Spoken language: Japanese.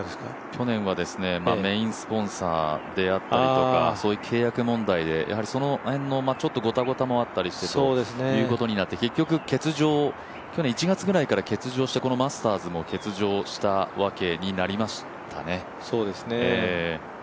去年はメインスポンサーであったりとかそういう契約問題で、その辺のちょっとごたごた問題もあったりして、結局、去年１月ぐらいから欠場してこのマスターズも欠場したわけになりましたね。